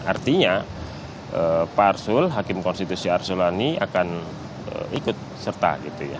artinya pak arsul hakim konstitusi arsul sani akan ikut serta gitu ya